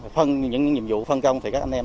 phân những nhiệm vụ phân công thì các anh em